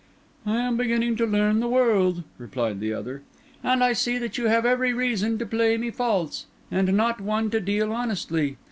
"I am beginning to learn the world," replied the other, "and I see that you have every reason to play me false, and not one to deal honestly.